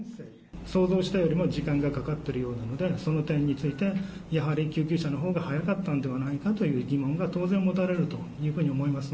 想像していたよりも時間がかかっているようなので、その点について、やはり救急車のほうが早かったんではないかという疑問が当然持た